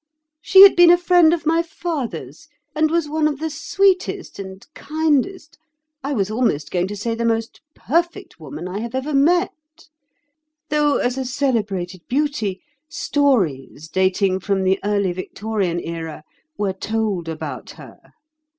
She had been a friend of my father's, and was one of the sweetest and kindest—I was almost going to say the most perfect woman I have ever met; though as a celebrated beauty, stories, dating from the early Victorian era, were told about her.